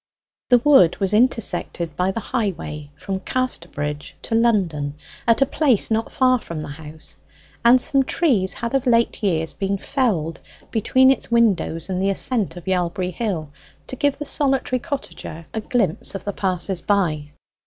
The wood was intersected by the highway from Casterbridge to London at a place not far from the house, and some trees had of late years been felled between its windows and the ascent of Yalbury Hill, to give the solitary cottager a glimpse of the passers by.